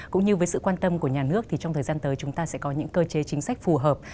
cũng như với sự quan tâm của nhà nước thì trong thời gian tới chúng ta sẽ có những cơ chế chính sách phù hợp